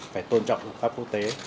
phải tôn trọng pháp phố tế